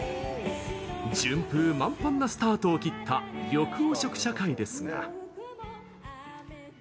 順風満帆なスタートを切った緑黄色社会ですが。